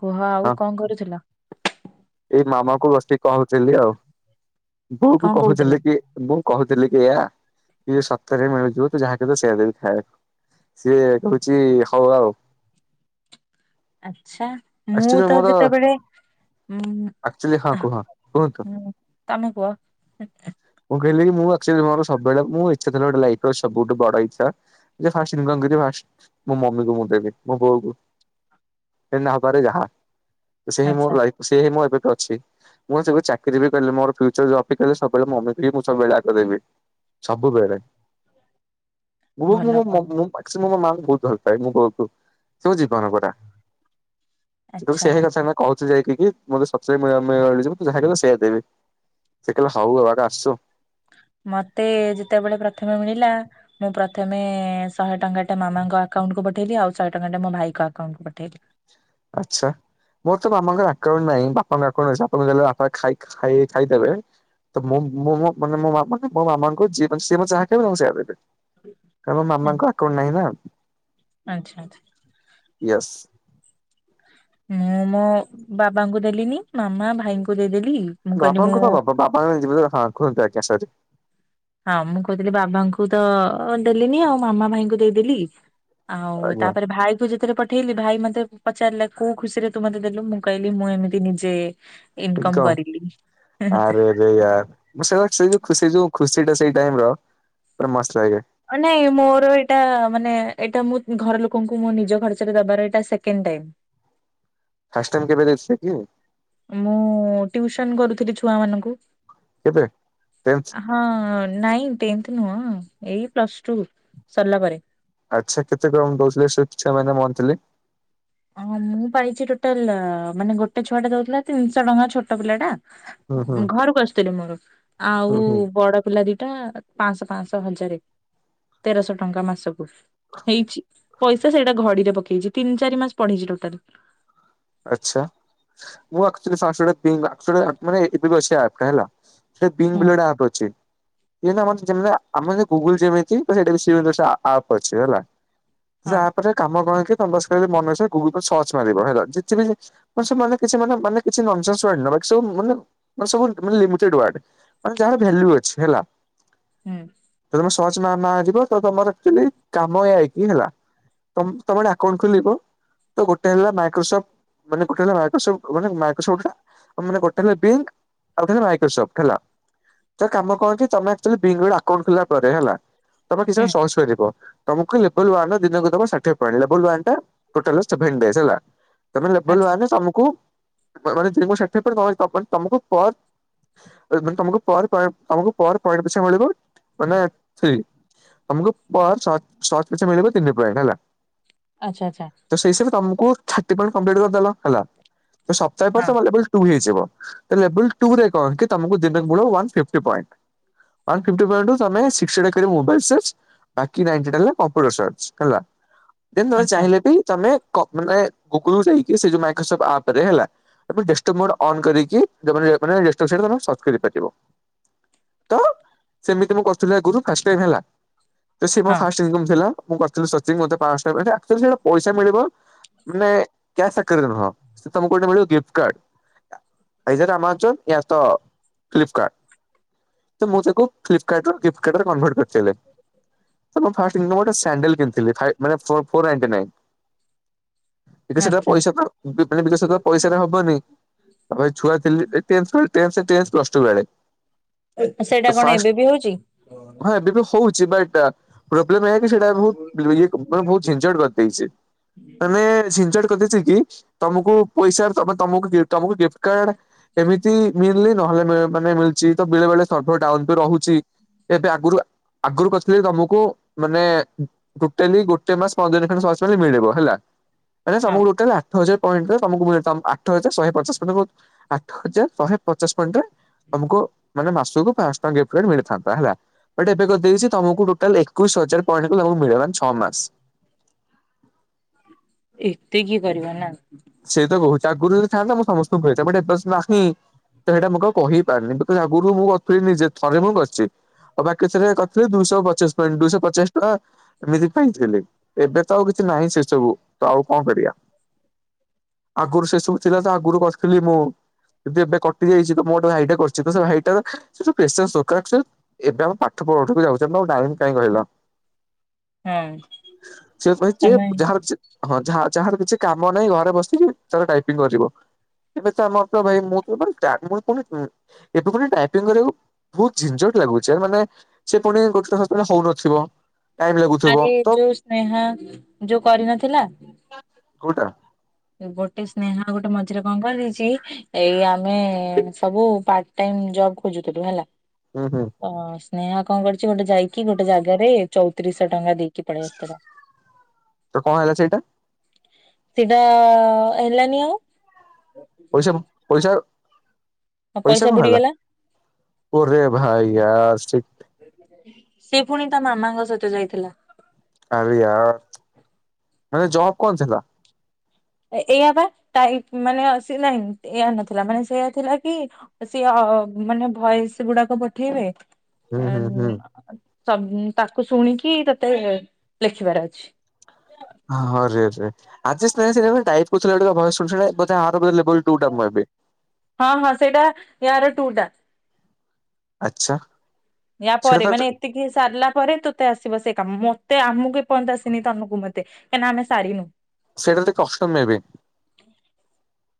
କୁହ ହଁ ଆଉ କଣ କରୁଥୁଲ? ଏଇ ମାମାକୁ ବସିକି କହୁଥିଲି ଆଉ ବୋଉକୁ କଣ କହୁଥିଲ? କହୁଥିଲି କି ମୁଁ କହୁଥିଲିକି ଏୟା କିସତରେ ମିଳୁଥିବ ତୁଯାହା କହିବୁ ସେଇଆ ଦେବି ଖାଇବାକୁ। ସିଏ କହୁଛି ହଉ ଆଉ। ଆଛା ଆକ୍ଚୁଆଲି ମୁଁତ ମୋର ଯେତେବେଳେ ଉ ଆକ୍ଚୁଆଲି ହଁ କୁହଁ କୁହନ୍ତୁ? ତମେ କୁହ? ମୁଁ କହିଲି ମୁଁଆକ୍ଚୁଆଲି ମୋର ସବୁବେଳେ ମୋଇଚ୍ଛା ଥିଲା ଗୋଟେ ଲାଇଫର୍ ସବୁଠୁ ବଡ଼ ଇଚ୍ଛା ଯେ ଫାଷ୍ଟ୍ ଇନକମ୍ କରିବି ଫାଷ୍ଟ ମୁଁ ମମିକୁ ମୁଁ ଦେବି ମୋ ବୋଉକୁ। ସେ ନହବାରେ ଯାହା। ସେ ମୋ ଆଚ୍ଛା ଲାଇଫ୍ ସେହିଁ ମୁଁ ଏବେବି ଅଛି, ମୁଁ ଯେବେ ଚାକିରିବି କଲେ ମୋର ଫ୍ୟୁଚର୍ ଜବ୍ ଅପେକ୍ଷା ସବୁବେଳେ ମମି ମୁଁ ସବୁବେଳେ ଆଗ ଦେବି ସବୁବେଳେ ମୁ ମୁ ଭଲ ଭଲ ମୋ ମାଙ୍କୁ ବହୁତ୍ ଭଲ ପାଏ ମୁଁ ବୋଉକୁ ସେମୋ ଜୀବନ ପରା। [unintelligible] ଆଚ୍ଛା କହୁଛି ଯାଇକିକି ମତେ ସତ ଯିବୁ ଯାହା କହିଲେ ସେଇଆ ଦେବି ସେକହିଲେ ହଉରେ ବାବା ସୋ ମତେ ଯେତେବେଳେ ପ୍ରଥମେ ମିଳିଲା ମୁଁ ପ୍ରଥମେ ଶହେ ଟଙ୍କାଟା ମାମାଙ୍କ ଆକାଉଣ୍ଟ କୁ ପଠେଇଲି ଆଉ ଶହେ ଟଙ୍କାଟା ମୋ ଭାଇଙ୍କ ଆକାଉଣ୍ଟକୁ ପଠେଇଲି। ଆଚ୍ଛା। ମୋରତ ମାମାଙ୍କ ଆକାଉଣ୍ଟ ନାହିଁ ବାପାଙ୍କ ଆକାଉଣ୍ଟ ଅଛି ବାପାଙ୍କୁ ଦେଲେ ବାପା ଖା ଖାଇ ଖାଇଦେବେ ତେ ମେ ମୋ ମାମାଙ୍କୁ ଦିଏ ମାନେ ସିଏ ଯାହା କହୀବେ ମୁଁ ସେଇୟା ଦେଇଦେବି। କାରଣ ଆ- ମାମାଙ୍କ ଆକାଉଣ୍ଟ ନାହିଁନା। ଆଚ୍ଛା ଆଚ୍ଛା। ୟେସ୍। ମୁଁ ମୋ ବାବାଙ୍କୁ ଦେଲିିନି ମାମା ଭାଇଙ୍କୁ ଦେଇଦେଲି। ମୁଁ କହିଲି ମୁଁ ବାପାଙ୍କୁ କଣ ଦବ ବାପା ବାପା ହଁ କୁଖୁନ୍ତୁ ଆଜ୍ଞା ସରି। ହଁ ମୁଁ କହୁଥିଲି ବାବାଙ୍କୁତ ଦେଲିିନି ଆଉ ମାମା ଭାଇଙ୍କୁ ଦେଇଦେଲି। ଆଉ ଆଜ୍ଞା ତାପରେ ଭାଇକୁ ଯେତେବେଳେ ପ ପଠେଇଲି ଭାଇ ମତେ ପଚାରିଲା କୋଉ ଖୁସିରେ ତୁ ମତେ ଦେଲୁ ମୁଁ କହିଲି ମୁଁ ଏମିତି ନିଜେ ଇନକମ ଇନକମ୍ କରିଲି। ଆରେ ଆରେୟାର ମୁଁସେଇ ଖୁସି ଯଉ ଖୁସିଟା ସେଇ ଟାଇମର ପୁରା ମସ୍ତ ଲାଗେ। ନାଇଁ ମୋର ଏଇଟା ମାନେ ଏଇଟା ମୁଁ ଘର ଲୋକଙ୍କୁ ମୁଁ ନିଜ ଖର୍ଚ୍ଚରେ ଦବାର ଏଇଟା ସେକେଣ୍ଡ ଟାଇମ୍। ଫାଷ୍ଟ ଟାଇମ୍ କେବେ ଦେଇଥିଲେକି? ମୁଁ ଟିଉସନ୍ କରୁଥିଲି ଛୁଆ ମାନଙ୍କୁ। କେବେ ଟେସ୍ ହଁ ନାଇଁ ଟେନ୍ଥ ନୁହଁ ଏଇ ପ୍ଲସ୍ ଟୁ ସରିଲା ପରେ। ଆଚ୍ଛା କେତେ କଣ ଦଉଥିଲେ ସେଛୁଆ ମାନେ ମନ୍ଥଲି? ହଁ ମୁଁ ପାଇଚି ଟୋଟାଲ ମାନେ ଗୋଟେ ଛୁଆଟା ଦଉଥିଲା ତିନିଶହ ଟଙ୍କା ଛୋଟ ପିଲାଟା ହୁଁ ହୁଁ ଘରକୁ ଆସିଥିଲୁ ମୋର ହୁଁ ଆଉ ହୁଁ। ବଡ଼ ପିଲା ଦିଟା ପାଞ୍ଚଶହ ପାଞ୍ଚଶହ ହଜାରେ ତେରଶହ ଟଙ୍କା ମାସକୁ। ହେଇଚି ପଇସା ସେଇଟା ଘଡ଼ିରେ ପକେଇଚି ତିନି ଚାରି ମାସ ପଢିଚି ଟୋଟାଲ। ଆଚ୍ଛା ମୁ ଆକ୍ଚୁଲି [unintelligible] ଏବେବି ଅଛି ଆପ୍ଟା ହେଲା [unintelligible] ହୁଁ ଗୋଟେ ଆପ୍ ଅଛି। [unintelligible] ଆମ ଗୁଗୁଲ ଯେମି [unintelligible] ସେମିତି ଆପ୍ ଅଛି ହେଲା। ସେ ହଁ ଆପରେ କାମ [unintelligible] ମନଇଚ୍ଛା ଗୁଗୁଲରେ ସର୍ଚ ମାରିବ ହେଲା। ମାନେ କିଛି [unintelligible] ବାକି ସବୁ [unintelligible] ମାନେ ଯାହାର ଭେଲୁ ଅଛି ହେଲା। ହୁଁ। ତମ ସହଜ ମା ମା ମାରିବ ତ ତମ [unintelligible] କାମ ଏ ଆଇ ହେଲା। [inaudible] ତମରେ ଆକାଉଣ୍ଟ ଖୋଲିବ ତ ଗୋଟେ ହେଲା ମାଇକ୍ରୋସଫ୍ଟ। ମାନ ଗୋଟେ ହେଲା ମାଇକ୍ରୋଫ୍ ମାନେ ମାଇକ୍ରୋ [unintelligible] ଗୋଟେ ହେ [unintelligible] ଆଉ ଖାଲି ମାଇକ୍ରୋସୋଫ୍ ହେଲା। ତ କାମ କଣ କି ତମେ ଆକଚୁଆଲି [unintelligible] ଆକାଉଣ୍ଟ ଖୋିଲା ପରେ ହେଲା ତମେ କିଛି ଟା ହୁଁ ସର୍ଚ୍ଚ [unintelligible] ତମକୁ କହିଲେ ଲେବେଲ ୱାନଟା ଦିନକୁ ଦେବ ଷାଠିଏ ପଏଣ୍ଟ ଲେବେଲ ୱାନ ଟୋଟାଲ ସେଭେନ [unintelligible] ହେଲା। ତମେ ଲବଲ ଆଚ୍ଛା ୱାନରେ ତମକୁ [unintelligible] ଷାଠିଏ ପଏଣ୍ଟ ମାନେ ତମକୁ ମାନେ ତମକୁ ପର ତମକୁ ତମ ପର [unintelligible] ପଏଣ୍ଟ ପିଛା ମିଳିବ ମାନେ [unintelligible] ତମକୁ ପର [unintelligible] ସଟ୍ ପିଛା ମିଳିବ ତିନି ପଏଣ୍ଟ ହେଲା। ଆଚ୍ଛା। ତ ସେଇ [unintelligible] ତମକୁ ଥାର୍ଟୀ ପଏଣ୍ଟ କଂପ୍ଲିଟ୍ କରିଦେଲ ହେଲା ତ ସପ୍ତାହ ପରେ [unintelligible] ହଁ ଲେବୁଲ ଲେବୁଲ୍ ଟୁ ହେଇଯିବ, ତ ଲେବୁଳ ଟୁରେ କଣ ଦିନକୁ ମୂଳ one fifty point. One fifty ପଏଣ୍ଟରୁ ତମେ [unintelligible] ମୋବାଇଲ୍ [unintelligible] ବାକି ନାଇଣ୍ଟି ଟା ହେଲା କମ୍ପ୍ୟୁ [unintelligible] ହେଲା, ଦେନ୍ ତମେ ଆଚ୍ଛା ଚାହିଁଲେ ବି [unintelligible] ଗୁଗଲ ଯାଇକି ସେ ଯୋଉ ମାଇକ୍ରୋସପ୍ଟ ଆପ ରେ ହେଲା ତା ପରେ ଡେସ୍କଟପ୍ ମୋଡ ଅନ କରିକି [unintelligible] ଡେସ୍କଟପ୍ ସାଇଡ ସର୍ଚ୍ଚ କରିପାରିବ। ତ ସେମିତି ମୁଁ କରୁଥିଲି [unintelligible] ହେଲା ତ ସେ ମୋ ହଁ ଫାଷ୍ଟ ଇନକମ୍ ଥିଲା ମୁଁ କରିଥିଲି ସର୍ଚିଙ୍ଗ ମତେ ପାଞ୍ଚଶହ ଟଙ୍କା [unintelligible] ପଇସା [unintelligible] ମାନେ କ୍ୟାସ୍ ଆକାରରେ ନୁହଁ ତମକୁ ଗୋଟେ ମିଳିବ ଗିଫ୍ଟ କାର୍ଡ। ଆଇ [unintelligible] ଆମାଜନ ତ ଫ୍ଲିପ କାର୍ଡ। ତ ମୁଁ ତାକୁ ଫ୍ଲିପ୍ କାର୍ଡରୁ ଗିଫ୍ଟ କାର୍ଡରେ କନଭର୍ଟ କରିଥିଲେ। ଫାଷ୍ଟ ଗୋଟେ ସାଣ୍ଡେଲ କିଣିଥିଲି [unintelligible] ମାନେ ଫୋର୍ ନାଇଣ୍ଟିଁ ନାଇନ୍। ବିକଶିତ ଆଚ୍ଛା ପଇସା ତ ମାନେ ବିକଶିତ ପଇସାରେ ହବନି। ତାପରେ ଛୁଆ tense tense tense plus two ବେଳେ, ସେଇଟା ତ କଣ ଏବେ ଫାଷ୍ଟ ବି ହଉଛି ହଁ ଏବେ ବି ହଉଛି ବଟ ପ୍ରୋବ୍ଲେମ୍ ଏଇୟା କି ସେଇଟା ବହୁତ ଇଏ [unintelligible] ବହୁତ ଝିନଝଟ କରିଦେଇଛି। [inaudible] ମାନେ ଝିଂଝଟ କରିଦେଇଛି କି ତମକୁ ପଇସା ଦବ ମାନେ [unintelligible] ତମକୁ ତମକୁ ଗିଫ୍ଟ କାର୍ଡ ଏମିତି ମିଳିଲେ ନହେଲେ ମାନେ ମିଳିଛି ତ ବେଳେ ବେଳେ ସର୍ଭର ଟାଉନ ବି ରହୁଛି। ଏବେ ଆଗରୁ ଆଗରୁ କରିଥିଲେ ତମକୁ ମାନେ ଟୋଟାଲି ଗୋଟେ ମାସ ପନ୍ଦର [unintelligible] ମିଳିବ ହେଲା ମାନେ ସବୁ ହଁ ଆଠ ହଜାର ପଏଣ୍ଟରେ ମି ଆଠ ହଜାର ଶହେ ପଚାଶ ପଏଣ୍ଟ ଆଠ ହଜାର ଶହେ ପଚାଶ ପଏଣ୍ଟ ତମକୁ ମାନେ ମାସକୁ ପାଞ୍ଚ ଟଙ୍କା ଗିଫ୍ଟ [unintelligible] ମିଳିଥାନ୍ତା ହେଲା, କିନ୍ତୁ ଏବେ କରିଦେଇଛି ତମକୁ ଟୋଟାଲ ଏକ ଏକୋଇଶ ହଜାର ତମକୁ ମିଳିବା ମାନେ ଛଅ ମାସ। ଏତେ କିଏ କରିବା ନା। ସେ ତ କହୁଛି ଆଗୁରୁ ଥାଆନ୍ତା ମୁଁ ସମସ୍ତଙ୍କୁ କହିଥାନ୍ତି [unintelligible] ତ ଇଟା ମୁଁ କ କହିପାରିନି [unintelligible] ଆଗରୁ ମୁଁ କରିଥିଲି ନିଜେ ଥରେ ମୁଁ କରିଚି। ଆଉ ବାକି ସେଥିରେ କରିଥିଲେ ଦୁଇଶହ ପଚିଶ ପଏଣ୍ଟ ଦୁଇଶହ ପଚାଶ ଟଙ୍କା ଏମିତି ପାଇଥିଲି ଏବେ ତ ଆଉ କିଛି ନାହିଁ ସେ ସବୁ ତ ଆଉ କଣ କରିବା। ଆଗରୁ ସେ ସବୁ ଥିଲା ତ ଆଗରୁ କରିଥିଲି ମୁଁ ଯଦି ଏବେ କଟି ଯାଇଛି ତ ମୋ ଗୋଟେ ଭାଇଟା କରୁଛି ତ ସେ ଭାଇଟା ର ସେ ପ୍ରେସର ସରକାର ଏବେ ଆଉ ପାଠ ପଢ଼ାକୁ ଯାଉଛ ଆଉ ଟାଇମ୍ କାହିଁ କହିଲ। ହଁ ସେଥିପାଇଁ ଯେ ସମୟ ନାହିଁ। ଯାହାର ହଁ ଯେ ଯାହାର କିଛି କାମ ନାହିଁ ଘରେ ବସି ତା ଟାଇପିଙ୍ଗ କରିବ ଏବେ ତ ଆମର ଭାଇ ମୁଁ ତ ପୁଣି ଏବେ ଗୋଟେ ଟ୍ରାଇପିଙ୍ଗ କରିବାକୁ। ବହୁତ ଝିଂଝଟ ଲାଗୁଛି ଆ ମାନେ ସେ ପୁଣି ଗୋଟେ ସେତେବେଳେ ହଉନଥିବ। ଟାଇମ ଲାଗୁଥିବ ଆରେ ତ ଯୋଉ ସ୍ନେହା ଯୋଉ କରିନଥିଲା। କୋଉଟା। ଗୋଟେ ସ୍ନେହା ଆଉ ଗୋଟେ ମଝିରେ କଣ କରିଦେଇଛି। ଏଇ ଆମେ ସବୁ ପାର୍ଟ ଟାଇମ୍ ଜବ ଖୋଜୁଥିଲୁ ହେଲା। ହୁଁ ହୁଁ। ତ ସ୍ନେହା କଣ କରିଛି ଗୋଟେ ଯାଇକି ଗୋଟେ ଜାଗାରେ ଚଉତିରିଶ ଶହ ଟଙ୍କା ଦେଇକି ପଳେଇ ଆସିଥିଲା। ତ କଣ ହେଲା ସେଇଟା। ସେଇଟା ହେଲାନି ଆଉ। ପଇସା ପଇସା ପଇସା କଣ ହେଲା ଓରେ ଭାଇ ୟାର୍ ସେଟ୍। ସେ ପୁଣି ତା ମାମାଙ୍କ ସହିତ ଯାଇଥିଲା। ଆରେ ୟାର୍ ମାନେ ଜବ୍ କଣ ଥିଲା? ଏଇଆ ବା ମାନେ ଏୟା ନଥିଲା ମାନେ ସେୟା ଥିଲକି? ସିଏ ଅ ଅ ମାନେ ଭୟେସ୍ ଗୁଡାକ ପଠେଇବେ। ହୁଁ ହୁଁ ହୁଁ ତାକୁ ଶୁଣିକି ତତେ ଲେଖିବା ର ଅଛି। ଆରେ ରେ [unintelligible] ହଁ ହଁ ସେଇଟା ୟାର ଟୁ ଟା। ଆଛା। ୟା ପରେ ମାନେ ଏତିକି ସାରିଲା ପରେ ତୁ ତେ ଆସିବ ସେ କାମ ମତେ ଆମକୁ ଏ ପର୍ଯ୍ୟନ୍ତ ଆସିନି ତନକୁ ମତେ ଏନା ଆମେ ସରିନୁ। ସେଇଟା ଯଦି କଷ୍ଟ ମେଁବି।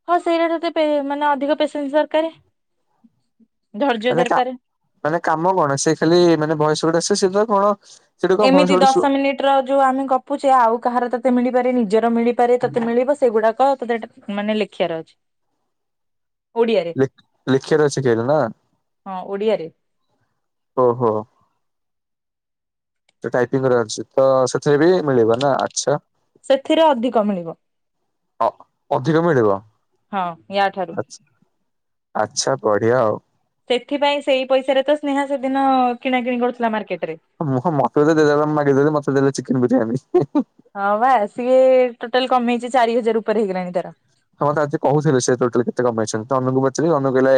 ହଁ ସେଇଟା ଯଦି ପେ ମାନେ ଅଧିକ ପେସେନ୍ସ୍ ଦର୍କାରେ ଧର୍ଯ୍ୟ ମାନେ କା ଦର୍କାର। ମାନେ କାମ କଣ ସେ ଖାଲି ମାନେ ବୟସ ଟେ ଆସେ ସେ ଜ କଣ? ସେଠି କଣ ଭଏସ ଏମିତି ଗୋଟେ ଶୁ ଦଶ ମିନିଟ। ଯୋଉ ଆମେ ଗପୁଛେ ଆଉ କାହାର ତୋତେ ମିଳିପାରେ ନିଜର ମିଳିପାରେ ତତେ ମିଳିବ ସେଗୁଡାକ ତତେ ଟା ମାନେ ଲେ ଲେଖିବାର ଅଛି। ଓଡିଆରେ ଲିଖ୍ ବାର ଅଛି କେବଳ ନା ହଁ ଓଡିଆରେ ଓହୋ। ଟାଇପିଙ୍ଗି କରିବାର ଅଛି ତ ସେଥିରେ ବି ମିଳିବ ନା ଆଛା। ସେଥିରେ ଅଧିକ ମିଳିବ। ଅ ଅଧିକ ମିଳିବ ହଁ ୟା ଠାରୁ ଆ ଆଚ୍ଛା ବଢିଆ ଆଉ। ସେଥିପାଇଁ ସେଇ ପଇସାରେ ତ ସ୍ନେହା ସେଦିନ କିଣା କିିଣି କରୁଥିଲା ମାର୍କେଟ୍ ରେ। ମୁଁ ହଁ ମତେ ତ ଦେଲେ ମତେ ମାଗି ଦେଲି ଚିକେନ୍ ବିରିୟାନୀ ହିଁ ହିଁ। ହଁ ବା ସିଏ ଟୋଟାଲ୍ କମେଇଛି ଚାରି ହଜାର୍ ଉପରେ ହେଇଗଲାଣି ତାର। ହଁତେ ଆଜି କହୁଥିଲେ ସେ ଟୋଟାଲି କେତେ କଣ୍ ପାଇଛନ୍ତି ତ ଅନୁଙ୍କୁ ପଚାରି ଅନୁ କହିଲେ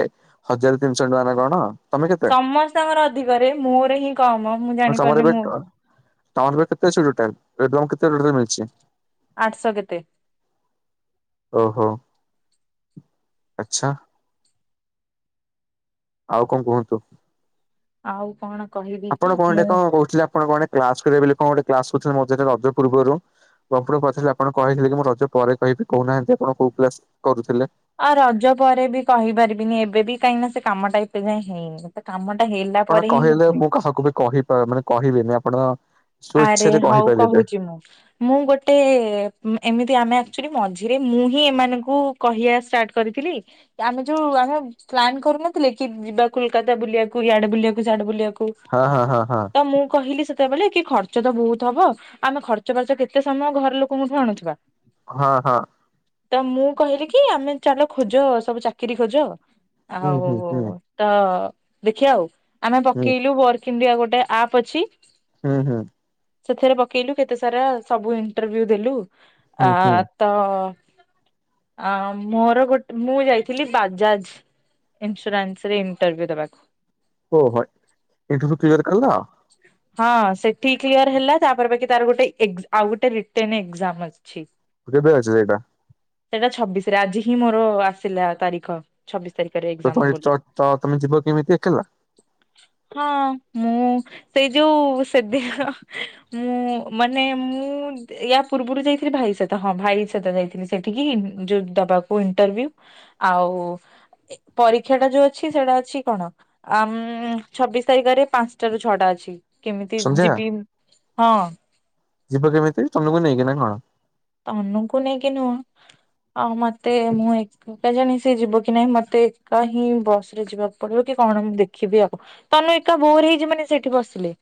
ହଜାର ତିନିସ ଟଙ୍କା ନା କଣ। ତମେ କେତେ ସମସ୍ତଙ୍କର ଅଧିକରେ ମୋର ହିଁ କମ। ମୁଁ ହଁ ସମର ଜାଣିପାରୁନି ଏବେ ମୁଁ ତମର ଏବେ କେତେ ଅଛି ଟୋଟାଲ ରେଡ୍ରମ୍ କେତେ ରେଟ୍ ରେ ମିଳିଛି? ଆଠ଼ସ କେତେ? ଓହୋ ଆଚ୍ଛା। ଆଉ କଂ କୁହନ୍ତୁ? ଆଉ କଣ? କହିବି ଆପଣ କ ଡେ ମୁଁ କ କହୁଥିଲେ ଆପଣ କ ଗୋଟେ କ୍ଲାସ କରିବେ ବୋଲି କ ଗୋଟ କ୍ଲାସ କୁରୁଥିଲେ ମଝିରେ ରଜ ପୂର୍ବରୁ? ପଫୁଲ ପଚାରିଲା ଆପଣ କହିଥିଲେ କି ମୁଁ ରଜ ପରେ କହିବି କହୁନାହାନ୍ତି ଆପଣ କୋଉ କ୍ଲାସ କରୁଥିଲେ? ଆ ରଜ ପରେ ବି କହିପାରିବିନି ଏବେ ବି କାହିଁନା ସେ କାମ ଟା ଏବେେ ଯାଏ ହେଇନି। ସେ କାମଟା ହେଲା। ଆପଣ ପରେ ହିଁ କହିଲେ କୁହେ ମୁଁ କାହାକୁ ବି କହି ବା ମାନେ କହିବିନି ଆପଣ ଆରେ ସ୍ୱଇଚ୍ଛାରେ ହଉ କହିପାରିବେ କହୁଛି ମୁଁ। ମୁଁ ଗୋଟେ ଉ ଏମିତି ଆମେ ଅକ୍ଚୁଲି ମଝିରେ ମୁଁ ହିଁ ଏମାନଙ୍କୁ କହିବା ଷ୍ଟାର୍ଟ କରିଥିଲି। ୟାମେ ଯୋଉ ଆମେ ପ୍ଲାନ୍ କରୁନଥିଲେ କି ଯିବା କୋଲ୍କାତା ବୁଲିବାକୁ ୟାଡେ ବୁଲିବାକୁ ସ୍ୟାଡେ ବୁଲିବାକୁ। ହଁ ହଁ ହଁ ହଁ। ହଁ ମୁଁ କହିଲି ସେତେବେଲେ କି ଖର୍ଚ୍ଚ ତ ବହୁତ ହବ ଆମେ ଖର୍ଚ୍ଚା ବାର୍ଚ୍ଚ କେତେ ସମୟ ଘର ଲୋକଙ୍କଠୁ ଆଣୁଥିବା। ହଁ ହଁ। ତ ମୁଁ କହିଲି କି ଆମେ ଚାଲ ଖୋଜ ସବୁ ଚାକିରି ଖୋଜ। ହୁଁ ଆଉ ହୁଁ ହୁଁ ତ ଦେଖିଆ ଆଉ ଆମେ ହୁଁ ପକେଇଲୁ ବର କିଣ୍ଡିଆ ଗୋଟେ ଆପ୍ ଅଛି। ହୁଁ ହୁଁ। ସେଥିରେ ପକେଇଲୁ କେତେ ସାରା ସବୁ ଇଣ୍ଟରଭି୍ୟୁ ଦେଲୁ ହୁଁ ଆ ହୁଁ ତ ଆ ମୋର ଗୋଟେ ମୁଁ ଯାଇଥିଲି ବାଜାଜ୍‌ ଇନସ୍ଵରାନସ୍ ରେ ଇଣ୍ଟ୍ରୋଭ ଦେବାକୁ। ଓ ହ ଏଣ୍ଟରଭ କ୍ଲିୟର କଲ। ହଁ ସେ ଠ କ୍ଲିୟର ହେଲା ତାପରେ ପାଖି ତାର ଗୋଟେ ଆଉ ଗୋଟେ ରିଟର୍ନ ଏକ୍ଜାମ ଅଛି। କେବେ ଆଯାଏଗା। ସେଇଟା ଛବିଶ ରେ ଆଜି ହିଁ ମୋର ଆସିଲା ତାରିଖ। ଛବିଶି ତାରିଖରେ। ତ ଏକ୍ଜାମ ତମେ ବୋଲି ଚ ତମେ ଯିବ କେମିତି ଏକଲା? ହଁ ମୁଁ ସେଇ ଯୋଉ ସେଦିନ ମୁଁ ମାନେ ମୁଁ ୟା ପୂର୍ବରୁ ଯାଇଥିଲି ଭାଇ ସହିତ ହଁ ଭାଇ ସହିତ ଯାଇଥିଲି ସେଠିକି ଯୋଉ ଦବାକୁ ଇଣ୍ଟରଭ୍ୟୁ। ଆଉ ପରୀକ୍ଷା ଟା ଯୋଉ ଅଛି ସେଇଟା ଅଛି କଣ। ଆ ଛବିଶ ତାରିଖରେ ପାଞ୍ଚଟ ରୁ ଛଅଟା ଅଛି। କେମିତି ସନ୍ଧ୍ୟା? ଯିବି ହଁ। ଯିବ କେମିତି ତମକୁ ନେଇକି ନା କଣ? ତନୁକୁ ନେଇକି ନୁହଁ ଆଉ ମତେ ମୁଁ କେଜାଣି ସେି ଯିବ କି ନାହିଁ ମତେ ଏକା ହିଁ ବସ ରେ ଯିବାକୁ ପଡିବ କି କଣ ମୁଁ ଦେଖିବି ଆଉ। ତନୁ ଏକା ବୋଉଁରି ହେଇକି ମାନେ ସେଠି ବସିଲେ।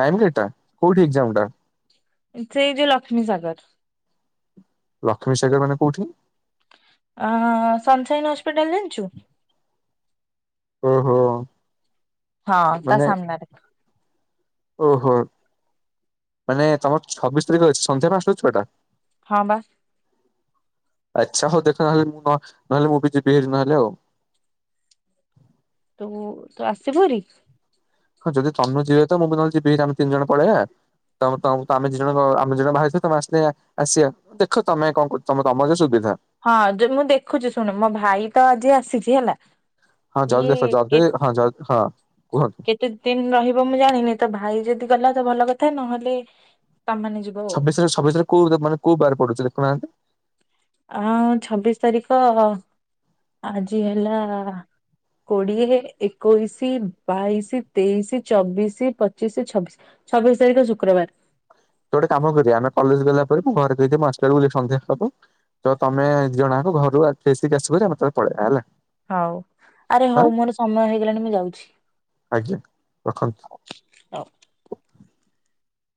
ଟାଇମ କେତଟା କଉଠି ଏକ୍ଜାାମ ଟା। ସେଇ ଯେ ଲକ୍ଷ୍ମୀ ସାାଗର। ଲକ୍ଷ୍ମୀସାଗର ମାନେ କଉଠି? ଅ ସନସାଇନ୍ ହସ୍ପିଟାଲ ଜଣିଛୁ? ଓହୋ। ହଁ ତା ମାନେ ସାମ୍ନାରେ। ଓହୋ। ମାନେ ତମର ଛବିଶ ତାରିଖରେ ଅଛି ସନ୍ଧ୍ୟା ପାଞ୍ଚଟା ରୁ ଛଅଟା। ହଁ ବା। ଆଚ୍ଛା ହଉ ଦେଖ ନହଲେ ମୁଁ ନ ନହେଲେ ମୁଁ ବି ଯିବି ହାରି ନହେଲେ ଆଉ। ତୁ ତୁ ଆସିବୁ ହାରି? ହଁ ଯଦି ତନୁ ଯିବେ ତ ମୁଁ ବି ନହେଲେ ଯିବି ଆମେ ତିନିଜଣ ପଳେଇବା। ତମ ତମ ତମେ ଦି ଜଣ ଆମେ ଜଣ ବାହାରଛ ତମେ ଆସିଲେ ଆସିବା। ଦେଖ ତମେ କଣ କରୁଚ ତମେ ତମ ଯେ ସୁବିଧା। ହଁ ଜ ମୁଁ ଦେଖୁଚି ଶୁଣୁ ମୋ ଭାଇ ତ ଆଜି ଆସିଚି ହେଲା। ହଁ ସିଏ ଜଲଦି ଆସ ଯଦି ହଁ ଜ ହଁ କୁହନ୍ତୁ। କେତେଦିନ ରହିବ ମୁଁ ଜାଣିନି ତ ଭାଇ ଯଦି ଗଲା ତ ଭଲ କଥା ନହେଲେ ତାମାନେ ଯି ଛବିଶ ଛବିଶରେ କୋଉ ମାନେ କଉ ବାର ପଡୁଛି ଦେଖୁହାନ୍ତି। ଆଁ ଛବିଶ ତାରିଖ ଆଜି ହେଲା କୋଡିଏ ଏକୋଇଶି ବାଇଶି ତେଇଶି ଚବିଶି ପଚିଶି ଛବିଶି ଛବିଶ ତାରିଖ ଶୁକ୍ରବାର। ତୋ ଗଟେ କାମ କରିବା ଆମେ କଲେଜ ଗଲା ପରେ ମୁଁ ଘରେ କହିଦିଏ ମୁଁ ଆସିଲା ବେଳକୁ ସନ୍ଧ୍ୟା ହବ। ତ ତମେ ଦିଜଣଯାଙ୍କ ଘରୁ ଆ ଫେସିକି ଆସିବ ହାରି ଆମେ ହେତୋଳେ ପଳେଇବା ହେଲା। ହଉ ଆରେ ହଁ ହଉ ମୋର ସମୟ ହେଇଗଲାଣି ମୁଁ ଯାଉଚି। ଆଜ୍ଞା ରଖନ୍ତୁ। ହଉ।